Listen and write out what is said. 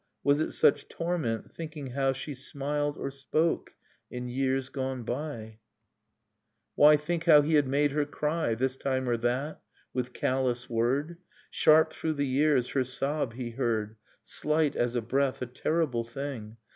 Was it such torment, thinking how She smiled, or spoke, in years gone by? Nocturne of Remembered Spring Why think how he had made her ciy, This time or that, with callous word? — Sharp through the years her sob he heard, Slight as a breath, a terrible thing.